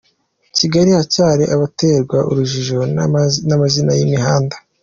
Kigali Haracyari abaterwa urujijo n’amazina y’imihanda